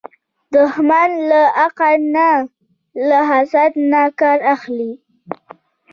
دښمن له عقل نه، له حسد نه کار اخلي